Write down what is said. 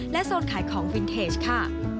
โซนขายของวินเทจค่ะ